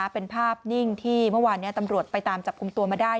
เป็นภาพนิ่งที่เมื่อวานนี้ตำรวจไปตามจับกลุ่มตัวมาได้